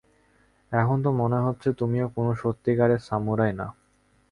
এখন তো মনে হচ্ছে তুমিও কোন সত্যিকারের সামুরাই না!